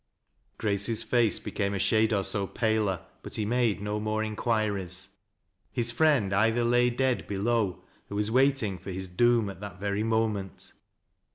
Grace's face became a shade or so paler, but he made no more inquiries. His friend either lay dead below, or was waiting for his doom at that very moment.